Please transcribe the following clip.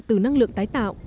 từ năng lượng tái tạo